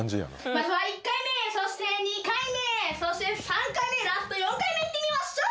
まずは１回目そして２回目そして３回目ラスト４回目行ってみましょう！